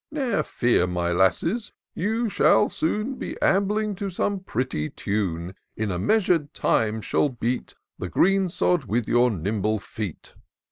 Ne'er fear, my lasses, you shall soon Be ambling to some pretty tune. And in a measur'd time shall beat The green sod with your nimble feet.